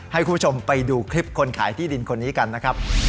ให้คุณผู้ชมไปดูคลิปคนขายที่ดินคนนี้กันนะครับ